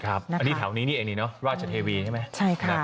อันนี้แถวนี้ราชเทวีใช่ไหม